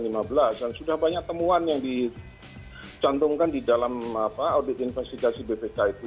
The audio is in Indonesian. dan sudah banyak temuan yang dicantumkan di dalam audit investigasi bpk itu